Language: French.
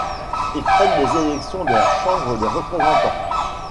Il traite des élections de la Chambre des représentants.